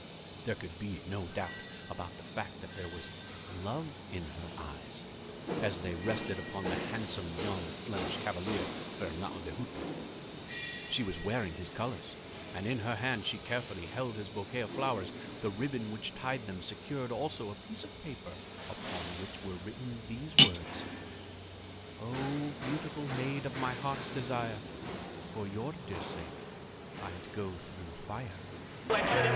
There could be no doubt about the fact that there was love in her eyes as they rested upon the handsome young Flemish cavalier, Fernâo de Hutra. She was wearing his colors and in her hand she carefully held his bouquet of flowers. The ribbon which tied them secured also a piece of paper upon which were written these words: "Oh, beautiful maid of my heart's desire, For your dear sake I'd go through fire."